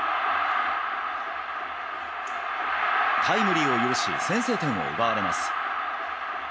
タイムリーを許し、先制点を奪われます。